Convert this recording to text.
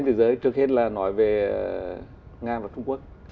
trước hết là nói về nga và trung quốc